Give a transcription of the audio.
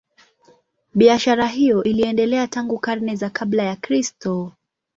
Biashara hiyo iliendelea tangu karne za kabla ya Kristo.